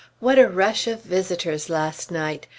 What a rush of visitors last night!